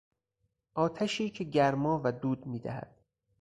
آتشی که گرما و دود میدهد